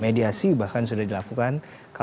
mediasi bahkan sudah dilakukan